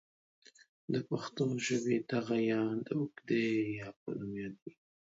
د پښتو ژبې دغه ې د اوږدې یا په نوم یادیږي.